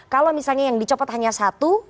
kalau misalnya yang dicopot hanya satu